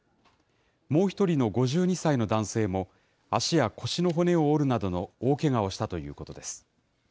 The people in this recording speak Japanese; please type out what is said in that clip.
もう一人の５２歳の男性も足や腰の骨を折るなどの大けがをしたということです。